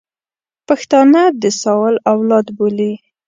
پښتانه د ساول اولاد بولي.